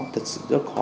thật sự rất khó